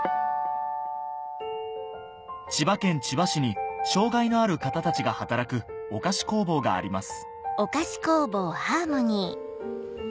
千葉県千葉市に障がいのある方たちが働くお菓子工房があります